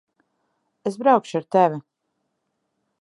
Es braukšu ar tevi.